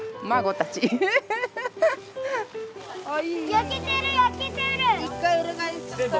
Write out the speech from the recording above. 焼けてる焼けてる！